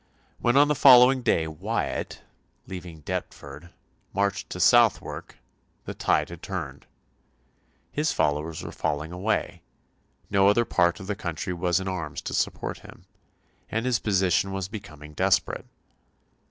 When on the following day Wyatt, leaving Deptford, marched to Southwark the tide had turned. His followers were falling away; no other part of the country was in arms to support him; and his position was becoming desperate.